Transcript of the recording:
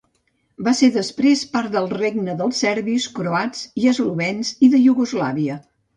Va ser després part del regne dels Serbis, Croats i Eslovens i de Iugoslàvia.